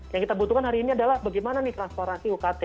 yang kita butuhkan hari ini adalah bagaimana nih transparansi ukt